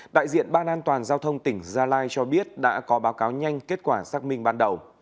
đại diện ban an toàn giao thông tỉnh gia lai cho biết đã có báo cáo nhanh kết quả xác minh ban đầu